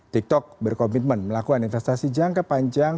tiktok berkomitmen melakukan investasi jangka panjang